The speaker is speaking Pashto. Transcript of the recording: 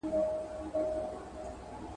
له رام رام څخه تښتېدم، پر کام کام واوښتم.